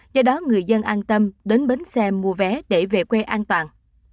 do đó người dân an tâm đến bến xe mua vé để về quê an toàn